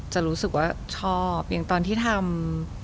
จะรู้สึกว่าชอบอย่างตอนที่ทำ